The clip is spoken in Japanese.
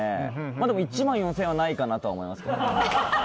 でも１万４０００円はないかなと思います。